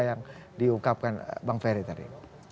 yang diungkapkan bang ferry tadi